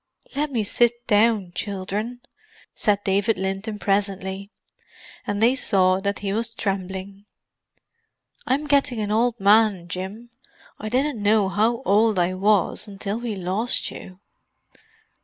"Let me sit down, children," said David Linton presently; and they saw that he was trembling. "I'm getting an old man, Jim; I didn't know how old I was, until we lost you."